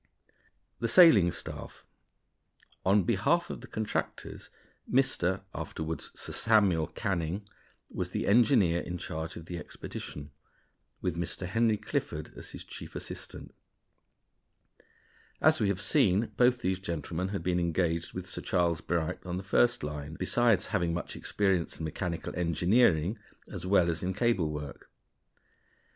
The Sailing Staff. On behalf of the contractors, Mr. (afterward Sir Samuel) Canning was the engineer in charge of the expedition, with Mr. Henry Clifford as his chief assistant. As we have seen, both these gentlemen had been engaged with Sir Charles Bright on the first line, besides having much experience in mechanical engineering as well as in cable work.